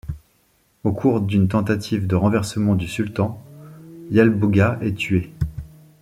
Au cours d’une tentative de renversement du sultan, Yalbogha est tué.